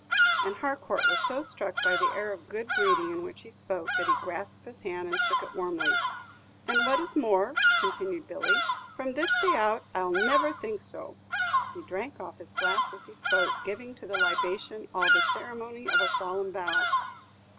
And Harcourt was so struck by the air of good breeding in which he spoke, that he grasped his hand, and shook it warmly. "And what is more," continued Billy, "from this day out I 'll never think so." He drank off his glass as he spoke, giving to the libation all the ceremony of a solemn vow.